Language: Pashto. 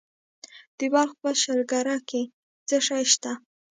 د بلخ په شولګره کې څه شی شته؟